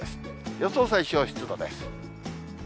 予想最小湿度です。